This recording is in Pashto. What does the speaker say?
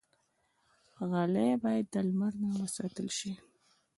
غلۍ باید د لمر نه وساتل شي.